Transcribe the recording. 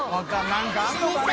何かあるのかね？